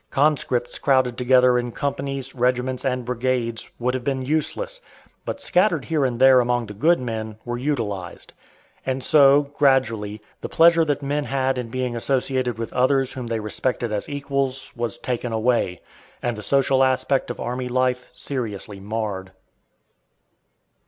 Conscripts crowded together in companies, regiments, and brigades would have been useless, but scattered here and there among the good men, were utilized. And so, gradually, the pleasure that men had in being associated with others whom they respected as equals was taken away, and the social aspect of army life seriously marred.